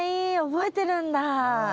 覚えてるんだ。